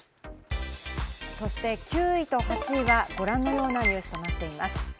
そして９位と８位は、ご覧のようなニュースとなっています。